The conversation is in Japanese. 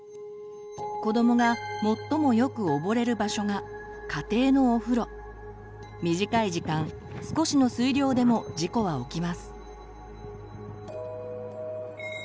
子どもが最もよく溺れる場所が短い時間少しの水量でも事故は起きます。